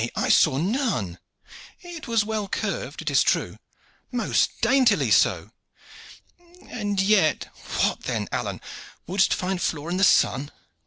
I saw none." "It was well curved, it is true." "Most daintily so." "And yet " "What then, Alleyne? Wouldst find flaw in the sun?"